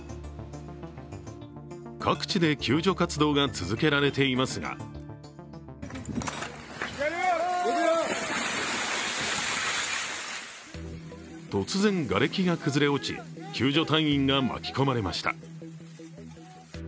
各地で救助活動が続けられていますが突然がれきが崩れ落ち救助隊員が巻き込まれました。